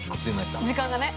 時間がね。